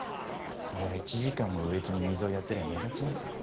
そりゃ１時間も植木に水をやってりゃ目立ちますよ。